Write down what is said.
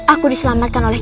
aku diselamatkan oleh